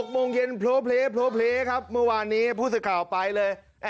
โมงเย็นโพลเพลครับเมื่อวานนี้ผู้สื่อข่าวไปเลย